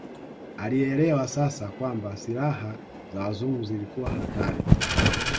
Alielewa sasa kwamba silaha za Wazungu zilikuwa hatari